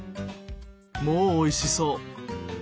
もうおいしそう。